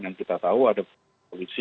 kita tahu ada polisi